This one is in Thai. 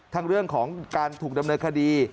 เรื่องของการถูกดำเนินคดี